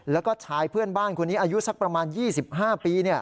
แล้วก็ชายเพื่อนบ้านคนนี้อายุสักประมาณ๒๕ปี